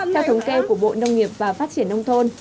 theo thống kê của bộ nông nghiệp và phát triển nông thôn